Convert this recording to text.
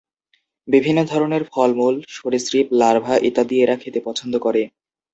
বিভিন্ন ধরনের ফল-মূল, সরীসৃপ, লার্ভা ইত্যাদি এরা খেতে পছন্দ করে।